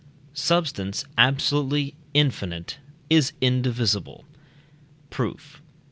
Substance absolutely infinite is indivisible. Proof.